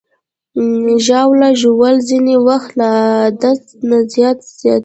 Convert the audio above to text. ژاوله ژوول ځینې وخت له عادت نه زیاتېږي.